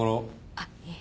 あっいえ。